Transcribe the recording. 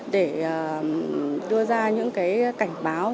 để đưa ra những cảnh báo